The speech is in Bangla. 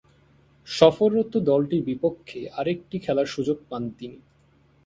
সফররত দলটির বিপক্ষে আরেকটি খেলার সুযোগ পান তিনি।